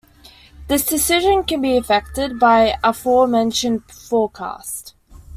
This decision can be affected by aforementioned forecast.